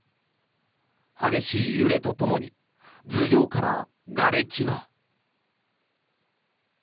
激しい揺れとともに頭上からがれきが。